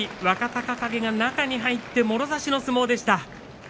若隆景が中に入ってもろ差しの相撲でした。